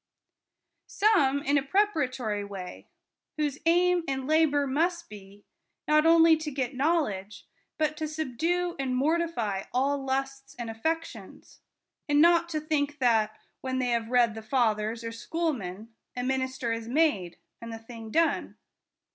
Some in a preparatory way ; whose aim and labor must be, not only to get knowledge, but to subdue and mortify all lusts and affections ; and not to think that, when they have read the fathers or schoolmen, a minister is made and the thing done.